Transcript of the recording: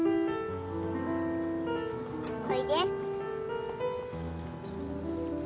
おいで。